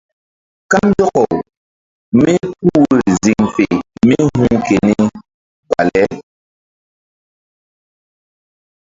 Kandɔkaw mípuh woyri ziŋ fe mí hu̧h ke gi bale.